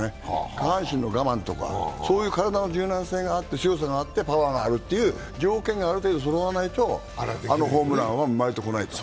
下半身の我慢とか、そういう柔軟性があってパワーがあるという条件がある程度そろわないと、あのホームランは生まれてこない。